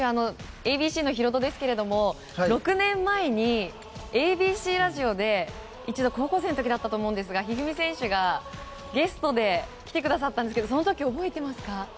ＡＢＣのヒロドですけど６年前にＡＢＣラジオで、一度高校生の時だったと思うんですが一二三選手がゲストで来てくださったんですけどはい、覚えてます。